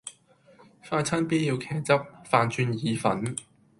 快餐 B 要茄汁,飯轉意粉